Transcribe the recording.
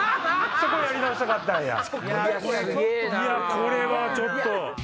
これはちょっと。